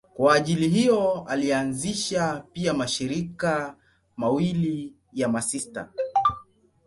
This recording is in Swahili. Kwa ajili hiyo alianzisha pia mashirika mawili ya masista.